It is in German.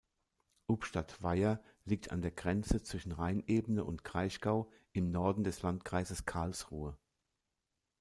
Ubstadt-Weiher liegt an der Grenze zwischen Rheinebene und Kraichgau im Norden des Landkreises Karlsruhe.